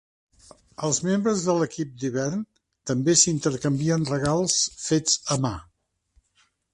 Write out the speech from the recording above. Els membres de l'equip d'hivern també s'intercanvien regals fets a ma.